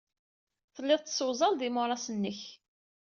Telliḍ tessewzaleḍ imuras-nnek.